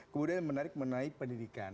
kemudian menarik menaik pendidikan